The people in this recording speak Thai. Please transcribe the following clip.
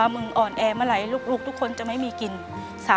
เปลี่ยนเพลงเพลงเก่งของคุณและข้ามผิดได้๑คำ